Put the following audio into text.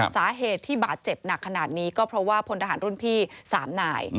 สาเหตุที่บาดเจ็บหนักขนาดนี้ก็เพราะว่าพลทหารรุ่นพี่๓นาย